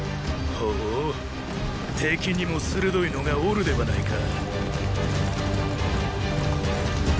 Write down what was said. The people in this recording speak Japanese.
ほほう敵にも鋭いのがおるではないか。